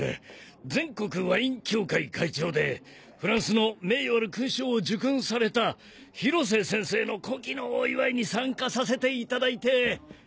全国ワイン協会会長でフランスの名誉ある勲章を受勲された広瀬先生の古希のお祝いに参加させていただいて。